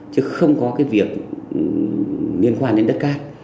chứ không có cái việc liên quan đến đất cát